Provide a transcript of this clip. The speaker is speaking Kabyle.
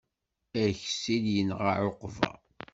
Aksil yenɣa ɛuqba.